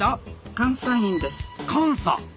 監査？